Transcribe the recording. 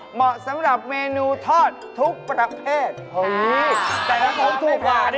เหมาะสำหรับเมนูทอดทุกประเภท